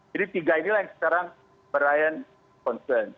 jadi tiga inilah yang sekarang merayakan concern